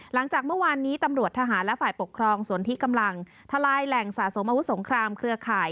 หลังจากเมื่อวานนี้ตำรวจทหารและฝ่ายปกครองส่วนที่กำลังทลายแหล่งสะสมอาวุธสงครามเครือข่าย